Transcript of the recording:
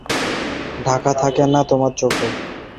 তুমি নিশ্চয় সব জান রমেনদা, আমার কিছুই ঢাকা থাকে না তোমার চোখে।